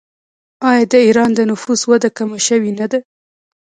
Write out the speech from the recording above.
آیا د ایران د نفوس وده کمه شوې نه ده؟